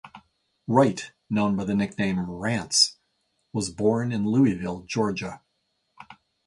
Wright, known by the nickname "Rans", was born in Louisville, Georgia.